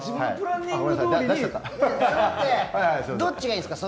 それってどっちがいいんですか？